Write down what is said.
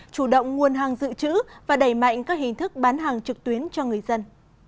chủ động nguồn hàng dự trữ và đẩy mạnh các hình thức bán hàng trực tuyến cho người dân